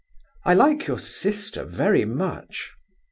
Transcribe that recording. "I like your sister very much."